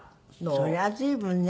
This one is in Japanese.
そりゃ随分ね。